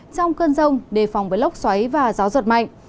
trong cơn rông đề phòng với lốc xoáy và gió giật mạnh